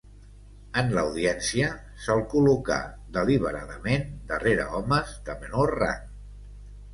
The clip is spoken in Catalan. En l'audiència, se'l col·locà deliberadament darrere homes de menor rang.